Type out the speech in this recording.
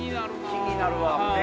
気になるわ。